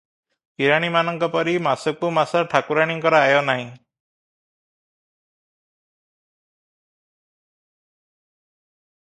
କିରାଣିମାନଙ୍କ ପରି ମାସକୁ ମାସ ଠାକୁରାଣୀଙ୍କର ଆୟ ନାହିଁ ।